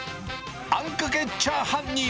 あんかけチャーハンに。